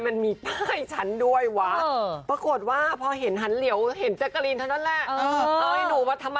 เซอร์ไพรส์แกร้องไห้คุณผู้ชม